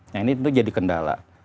nah ini tentu jadi kendala